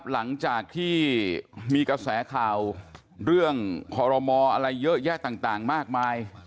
หลังจากที่มีกระแสข่าวเรื่องคอรมออะไรเยอะแยะต่างมากมาย